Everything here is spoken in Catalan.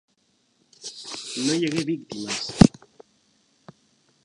No hi hagué víctimes.